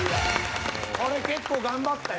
これ結構頑張ったよ。